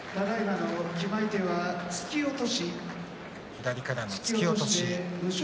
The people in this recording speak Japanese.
左からの突き落とし。